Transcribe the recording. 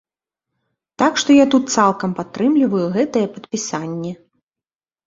Так што я тут цалкам падтрымліваю гэтае падпісанне.